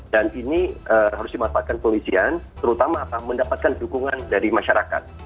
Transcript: ini harus dimanfaatkan polisian terutama mendapatkan dukungan dari masyarakat